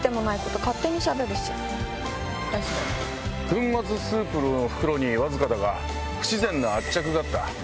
粉末スープの袋にわずかだが不自然な圧着があった。